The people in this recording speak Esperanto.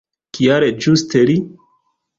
Kial ĝuste li?